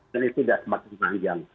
dan itu sudah semakin panjang